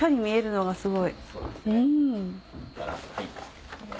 はい。